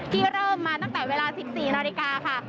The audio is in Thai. ที่เริ่มมาตั้งแต่เวลา๑๔นาฬิกาค่ะ